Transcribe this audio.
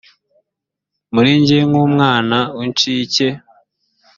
muri jye nk umwana w incuke